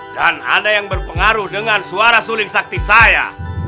dan ada yang berpengaruh dengan suara suling sakti saya